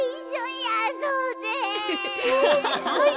はい。